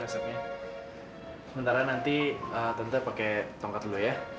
sementara nanti tante pakai tongkat lo ya